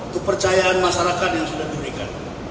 kepercayaan masyarakat yang sudah diberikan